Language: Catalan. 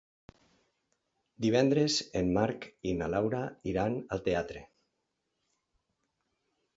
Divendres en Marc i na Laura iran al teatre.